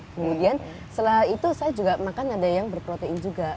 kemudian setelah itu saya juga makan ada yang berprotein juga